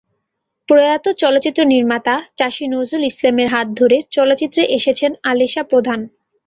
প্রয়াত চলচ্চিত্র নির্মাতা চাষী নজরুল ইসলামের হাত ধরে চলচ্চিত্রে এসেছেন আলিশা প্রধান।